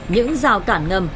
những rào cản ngầm